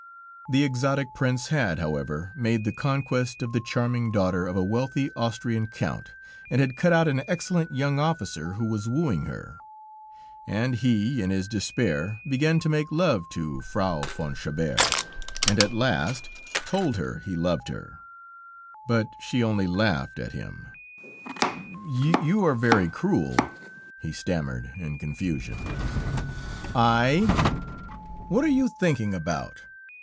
The Exotic Prince had, however, made the conquest of the charming daughter of a wealthy Austrian Count, and had cut out an excellent young officer who was wooing her; and he, in his despair began to make love to Frau von Chabert, and at last told her he loved her, but she only laughed at him. "You are very cruel," he stammered in confusion. "I? What are you thinking about?"